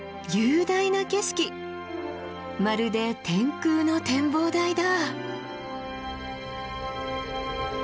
まるで天空の展望台だ。